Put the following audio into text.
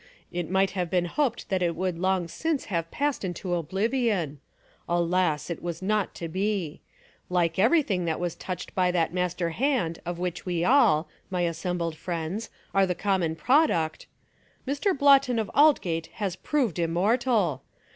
It might have been hoped that it would long since have passed into oblivion. Alas, it was not to be. Like everything that was touched by that master hand of which we all, my assembled friends, are the common product, Mr. Blottoh of Aldgate has proved immortal.